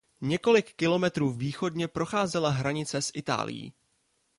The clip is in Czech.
Několik kilometrů východně procházela hranice s Itálií.